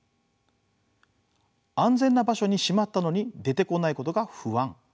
安全な場所にしまったのに出てこないことが不安。